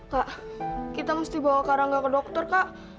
kak kita mesti bawa karangga ke dokter kak